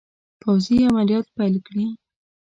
پوځي عملیات پیل کړي.